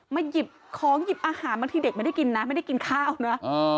หยิบของหยิบอาหารบางทีเด็กไม่ได้กินนะไม่ได้กินข้าวนะ